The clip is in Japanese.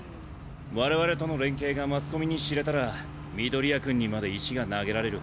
我々との連携がマスコミに知れたら緑谷くんにまで石が投げられる。